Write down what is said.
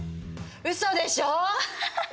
うそでしょ！？